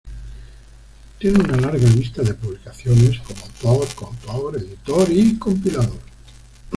Tiene una larga lista de publicaciones como autor, coautor, editor y compilador.